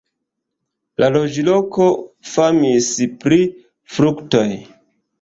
La loĝloko famis pri fruktoj.